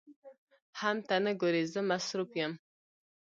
حم ته نه ګورې زه مصروف يم.